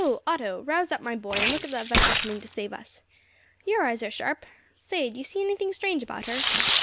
Otto, rouse up, my boy, and look at the vessel coming to save us. Your eyes are sharp! Say, d'you see anything strange about her?"